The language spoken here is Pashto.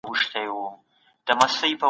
تاسو باید د خپلو خلګو خدمتګار اوسئ.